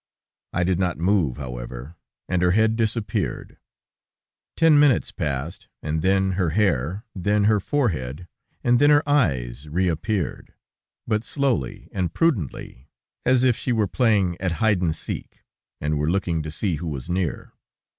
I did not move, however, and her head disappeared. Ten minutes passed, and then her hair, then her forehead, and then her eyes reappeared, but slowly and prudently, as if she were playing at hide and seek, and were looking to see who was near.